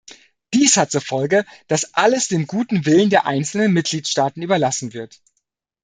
Dies hat zur Folge, dass alles dem guten Willen der einzelnen Mitgliedstaaten überlassen wird.